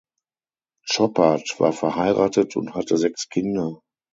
Chopard war verheiratet und hatte sechs Kinder.